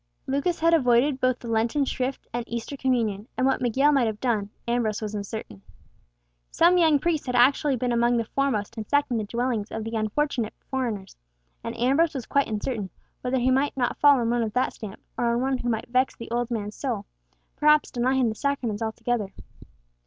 Lucas had avoided both the Lenten shrift and Easter Communion, and what Miguel might have done, Ambrose was uncertain. Some young priests had actually been among the foremost in sacking the dwellings of the unfortunate foreigners, and Ambrose was quite uncertain whether he might not fall on one of that stamp—or on one who might vex the old man's soul—perhaps deny him the Sacraments altogether.